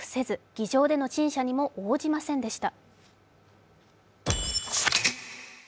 議場での陳謝にも応じませんでした。